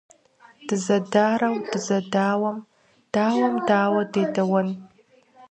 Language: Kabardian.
Дызэдарэу дызэдауэм - дауэм дауэ дедэуэн?